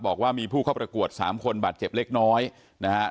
บอกว่ามีผู้เข้าประกวด๓คนบาดเจ็บเล็กน้อยนะฮะ